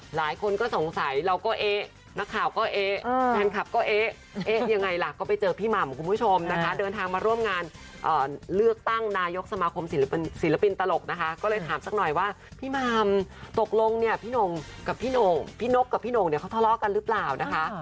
หลายคนก็สงสัยเราก็เอ๊ะนักข่าวก็เอ๊ะแฟนคลับก็เอ๊ะเอ๊ะยังไงล่ะก็ไปเจอพี่หม่ำคุณผู้ชมนะคะเดินทางมาร่วมงานเลือกตั้งนายกสมาคมศิลปินตลกนะคะก็เลยถามสักหน่อยว่าพี่หม่ำตกลงเนี่ยพี่หน่งกับพี่นกกับพี่หน่งเนี่ยเขาทะเลาะกันหรือเปล่านะคะ